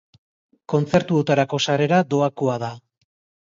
Kontzertuotarako sarrera doakoa da.